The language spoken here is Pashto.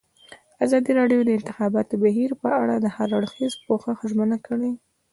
ازادي راډیو د د انتخاباتو بهیر په اړه د هر اړخیز پوښښ ژمنه کړې.